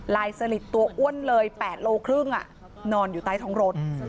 สลิดตัวอ้วนเลย๘โลครึ่งนอนอยู่ใต้ท้องรถ